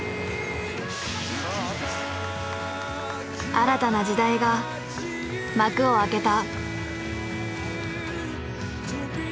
新たな時代が幕を開けた。